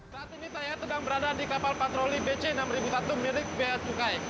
saat ini saya sedang berada di kapal patroli bc enam ribu satu milik bea cukai